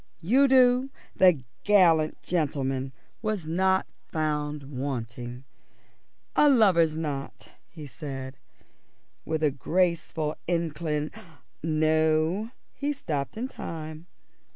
Udo, the gallant gentleman, was not found wanting. "A lover's knot," he said, with a graceful incli no, he stopped in time.